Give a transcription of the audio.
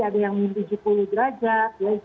ada yang mengintip sepuluh derajat